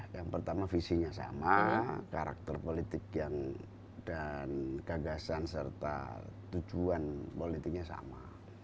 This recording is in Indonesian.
yang pertama visinya sama karakter politik dan gagasan serta tujuan politiknya sama